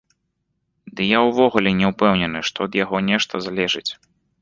Дый я ўвогуле не ўпэўнены, што ад яго нешта залежыць.